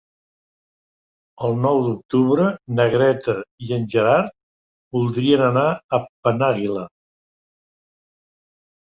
El nou d'octubre na Greta i en Gerard voldrien anar a Penàguila.